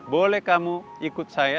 boleh kamu ikut saya